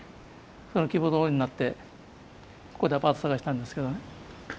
その希望どおりになってここでアパート探したんですけどね。